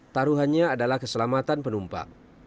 taruhannya adalah keselamatan penumpang